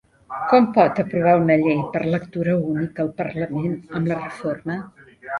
Com pot aprovar una llei per lectura única el parlament amb la reforma?